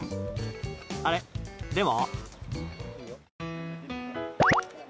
あれ、でも。